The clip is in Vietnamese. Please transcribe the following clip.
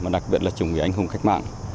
đặc biệt là chủng vị ánh hùng cách mạng